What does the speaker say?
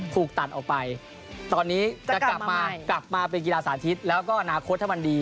ถูกตัดออกไปตอนนี้จะกลับมากลับมาเป็นกีฬาสาธิตแล้วก็อนาคตถ้ามันดี